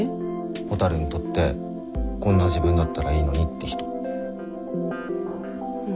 ほたるにとって「こんな自分だったらいいのに」って人。